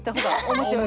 面白い。